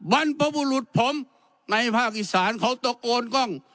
บรรพบุรุษผมในภาคอีสานเขาตะโกนกล้อง